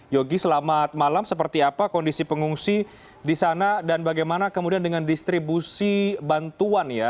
yogi selamat malam seperti apa kondisi pengungsi di sana dan bagaimana kemudian dengan distribusi bantuan ya